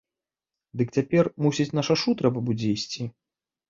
Дык цяпер, мусіць, на шашу трэба будзе ісці?